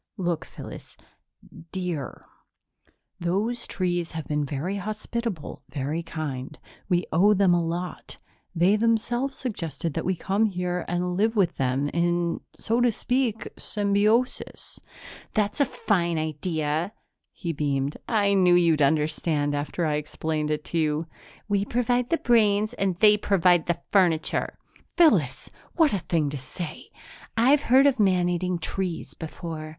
"Look, Phyllis dear those trees have been very hospitable, very kind. We owe them a lot. They themselves suggested that we come here and live with them in, so to speak, symbiosis." "That's a fine idea!" He beamed. "I knew you'd understand after I had explained it to you." "We provide the brains and they provide the furniture." "Phyllis! What a thing to say!" "I've heard of man eating trees before.